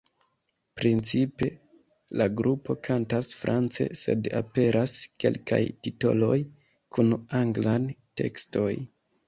Principe la grupo kantas france sed aperas kelkaj titoloj kun anglan tekstoj.